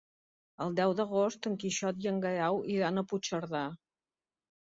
El deu d'agost en Quixot i en Guerau iran a Puigcerdà.